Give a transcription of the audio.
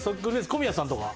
小宮さんとか。